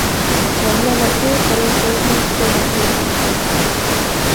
Мавлян аке короздорду үч жылга чейин урушка чыгарат.